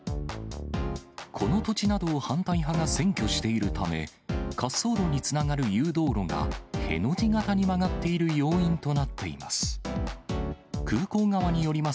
この土地などを反対派が占拠しているため、滑走路につながる誘導路がへの字型に曲がっている要因となっています。